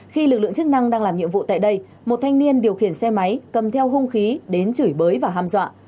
khi lực lượng chức năng đang làm nhiệm vụ tại đây một thanh niên điều khiển xe máy cầm theo hung khí đến chửi bới và ham dọa